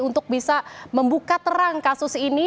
untuk bisa membuka terang kasus ini